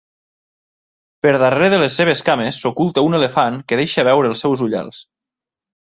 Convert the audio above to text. Per darrere de les seves cames s'oculta un elefant que deixa veure els seus ullals.